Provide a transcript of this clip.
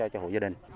cho hộ gia đình